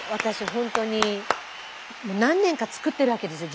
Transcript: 本当に何年か作ってるわけですよ